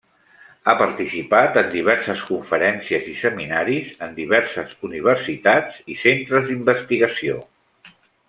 Ha participat en diverses conferències i seminaris en diverses universitats i centres d'investigació.